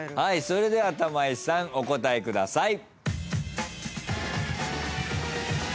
それでは玉井さんお答えください。